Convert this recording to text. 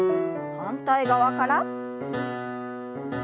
反対側から。